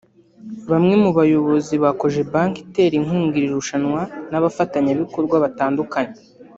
bamwe mu bayobozi ba Cogebanque itera inkunga iri rushanwa n’abafatanyabikorwa batandukanye